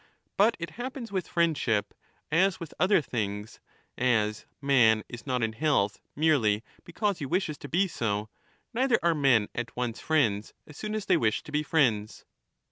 But it happens with friendship as with other things ; as man is not in health merely because he wishes to be so, neither are men at once friends as soon as they wish to be friends.